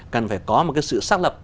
cần phải có một cái sự xác lập